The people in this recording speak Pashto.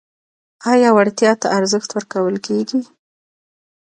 آیا وړتیا ته ارزښت ورکول کیږي؟